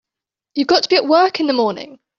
You've got to be at work in the morning.